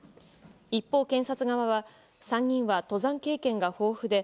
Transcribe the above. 一方、検察側は３人は登山経験が豊富で